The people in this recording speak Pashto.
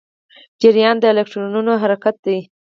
جریان د الکترونونو حرکت دی.